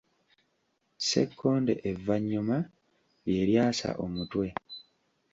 Ssekkonde evvannyuma, lye lyasa omutwe.